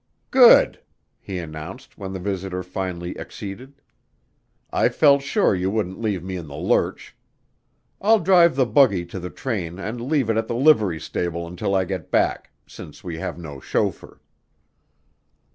"Good!" he announced when the visitor finally acceded; "I felt sure you wouldn't leave me in the lurch. I'll drive the buggy to the train and leave it at the livery stable until I get back since we have no chauffeur."